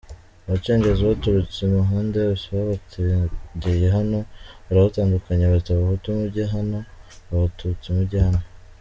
Abacengezi baturutse imihanda yose babategeye hano, barabatandukanya bati Abahutu mujye, hano Abatutsi mujye Hano.